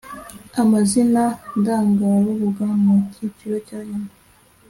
amazina ndangarubuga mu cyiciro cya nyuma